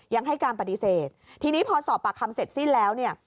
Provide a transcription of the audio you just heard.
ยังให้การปฏิเสธทีนี้พอสอบปากคำเสร็จสิ้นแล้วเนี่ย